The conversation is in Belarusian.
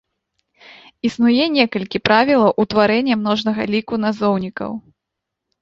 Існуе некалькі правілаў утварэння множнага ліку назоўнікаў.